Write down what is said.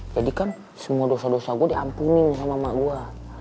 jadi kan semua dosa dosa gue diampuni sama emak gue